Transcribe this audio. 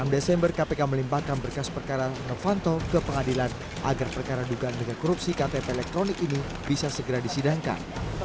enam desember kpk melimpahkan berkas perkara novanto ke pengadilan agar perkara dugaan megakorupsi ktp elektronik ini bisa segera disidangkan